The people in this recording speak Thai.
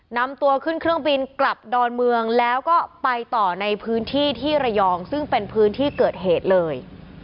นำตัวขึ้นเครื่องบินกลับดอนเมืองแล้วก็ไปต่อในพื้นที่ที่ระยองซึ่งเป็นพื้นที่เกิดเหตุเลย